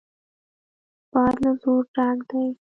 باد له زور ډک دی.